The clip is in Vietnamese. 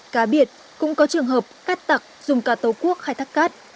cá biệt cũng có trường hợp cát tặc dùng cá tấu cuốc khai thác cát